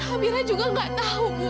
amira juga enggak tahu bu